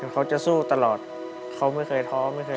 เขาจะสู้ตลอดเขาไม่เคยท้อไม่เคย